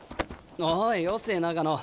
おいよせ長野。